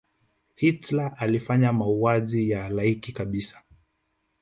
hitler alifanya mauaji ya halaiki kabisa